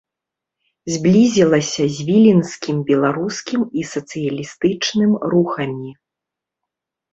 Зблізілася з віленскім беларускім і сацыялістычным рухамі.